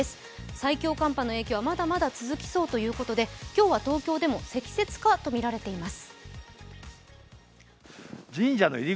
最強寒波の影響はまだまだ続きそうということで今日は東京でも積雪かとみられています。